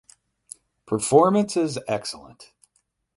Performance is excellent.